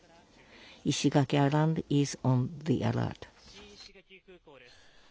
新石垣空港です。